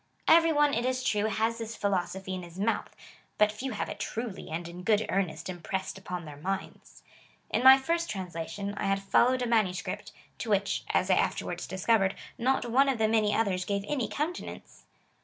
Every one, it is true, has this philosophy in his mouth, but few have it truly and in good earnest impressed upon their minds. In my first translation, I had followed a manuscript, to which (as I afterwards discovered) not one of the many others gave any countenance.